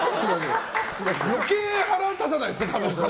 余計腹立たないですか？